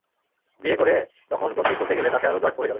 বিয়ে করে তখন গ্রন্থি খুলতে গেলে তাতে আরো জট পড়ে যাবে।